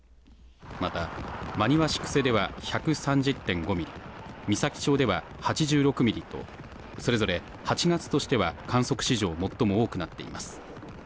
また真庭市久世では１３０．５ミリ、美咲町では８６ミリとそれぞれ８月としては観測史上最も多くなっています。